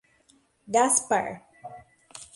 Gaspar